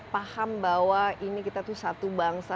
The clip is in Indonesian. paham bahwa ini kita tuh satu bangsa